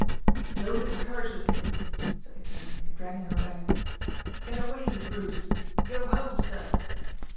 "Don't encourage the thing!" said the King, dragging her back. "Get away, you brute! Go home, Sir!"